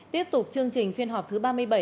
tiếp tục chương trình phiên họp thứ ba mươi bảy